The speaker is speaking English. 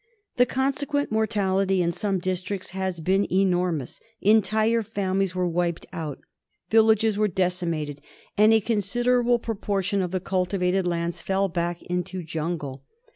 The consequent mortality in some districts has been enormous. J^ntire families were wiped out. Villages were decimated, and a considerable proportion of the cultivated lands fell back into jungle.